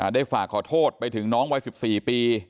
ได้ฝากขอโทษไปถึงน้องวัย๑๔ปี